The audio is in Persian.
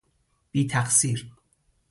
بی تقصیر